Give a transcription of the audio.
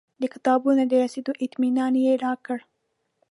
د کتابونو د رسېدو اطمنان یې راکړ.